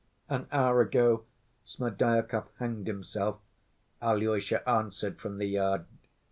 "An hour ago Smerdyakov hanged himself," Alyosha answered from the yard.